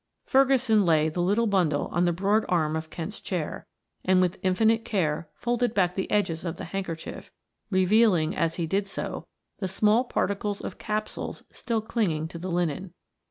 Ferguson laid the little bundle on the broad arm of Kent's chair and with infinite care folded back the edges of the handkerchief, revealing as he did so, the small particles of capsules still clinging to the linen.